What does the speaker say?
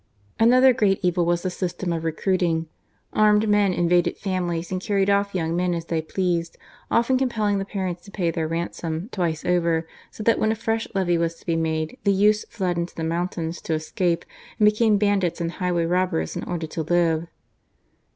Another great evil was the system of recruiting. Armed men invaded families and carried off young men as they pleased, often compelling the parents to pay their ransom twice over, so that when a fresh levy was • to be made, the youths fled into the mountains to escape, and became bandits and highway robbers in order to live.